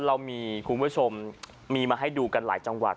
เรามีคุณผู้ชมมีมาให้ดูกันหลายจังหวัด